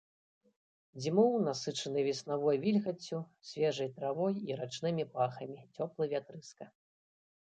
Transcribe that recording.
Дзьмуў, насычаны веснавой вільгаццю, свежай травой і рачнымі пахамі, цёплы вятрыска.